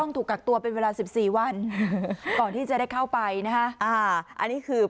ถูกกักตัวเป็นเวลา๑๔วันก่อนที่จะได้เข้าไปนะฮะอ่าอันนี้คือ